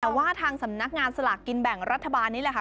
แต่ว่าทางสำนักงานสลากกินแบ่งรัฐบาลนี่แหละค่ะ